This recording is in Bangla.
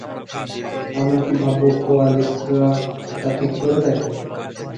আমরা কি ভাবব কোয়ালিস্টরা তা ঠিক করে দেয়।